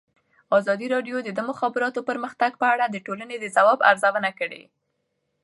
ازادي راډیو د د مخابراتو پرمختګ په اړه د ټولنې د ځواب ارزونه کړې.